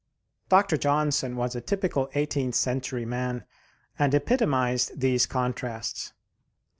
Dr. Johnson was a typical eighteenth century man, and epitomized these contrasts.